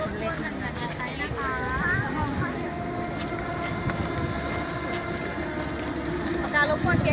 มันเป็นสิ่งที่จะให้ทุกคนรู้สึกว่ามันเป็นสิ่งที่จะให้ทุกคนรู้สึกว่า